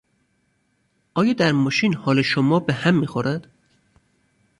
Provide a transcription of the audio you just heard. آیا در ماشین حال شما به هم میخورد؟